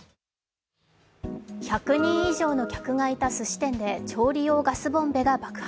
１００人以上がいたすし店で調理用ガスボンベが爆発。